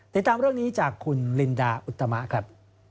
ติดตามเรื่องนี้จากคุณลินดาอุตมะครับ